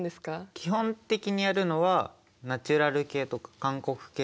基本的にやるのはナチュラル系とか韓国系とか。